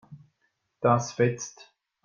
Das fetzt.